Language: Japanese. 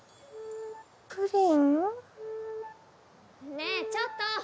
・ねえちょっと！